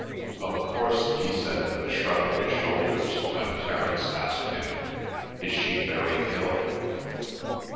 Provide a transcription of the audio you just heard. "Of course," he said with a shrug of his shoulders, when Terence asked him, "Is she very ill?"